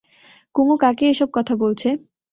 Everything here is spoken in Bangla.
কুমু কাকে এ-সব কথা বলছে?